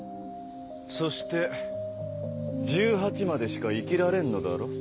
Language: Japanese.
そして１８までしか生きられんのだろ？